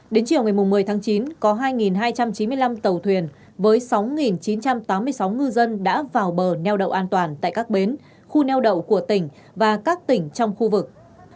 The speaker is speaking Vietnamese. đến chiều ngày một mươi tháng chín có hai hai trăm chín mươi năm tàu thuyền với sáu chín trăm tám mươi sáu ngư dân đã vào bờ neo đậu an toàn tại các bến khu neo đậu của tỉnh và các tỉnh trong khu vực